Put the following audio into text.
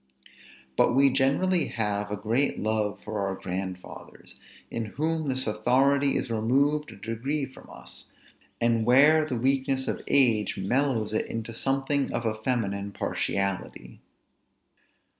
But we generally have a great love for our grandfathers, in whom this authority is removed a degree from us, and where the weakness of age mellows it into something of a feminine partiality.